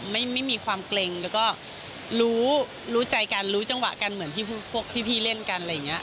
ไม่มีความเกร็งแล้วก็รู้รู้ใจกันรู้จังหวะกันเหมือนที่พวกพี่เล่นกันอะไรอย่างนี้